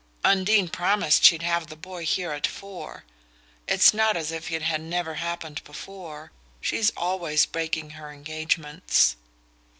Undine promised she'd have the boy here at four. It's not as if it had never happened before. She's always breaking her engagements."